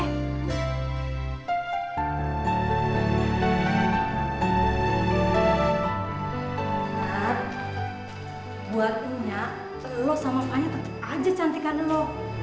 ntar buatnya lo sama fanya tetep aja cantikkan lo